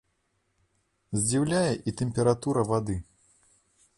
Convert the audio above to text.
Здзіўляе і тэмпература вады.